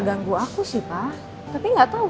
ganggu aku sih pa tapi enggak tahu